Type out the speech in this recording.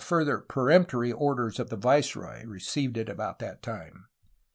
further peremptory orders of the viceroy, received at about that time.